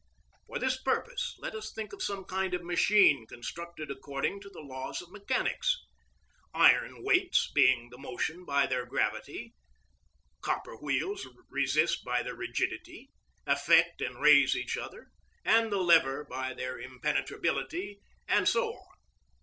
For this purpose let us think of some kind of machine constructed according to the laws of mechanics. Iron weights begin the motion by their gravity; copper wheels resist by their rigidity, affect and raise each other and the lever by their impenetrability, and so on.